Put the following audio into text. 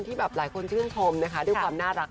ที่หลายคนชื่นชมด้านความน่ารัก